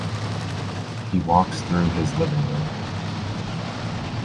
He walks through his living room.